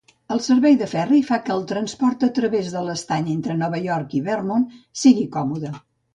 El servei de ferri fa que el transport a través de l'estany entre Nova York i Vermont sigui còmode.